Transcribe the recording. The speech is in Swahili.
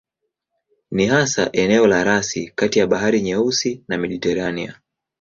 Ni hasa eneo la rasi kati ya Bahari Nyeusi na Mediteranea.